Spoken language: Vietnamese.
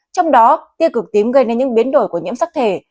trong đó tiêu cực tím gây nên những biến đổi của nhiễm sắc thể